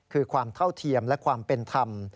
คือความเท่าเทียมและความเป็นธรรม